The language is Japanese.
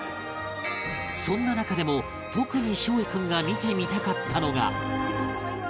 そんな中でも特に梢位君が見てみたかったのが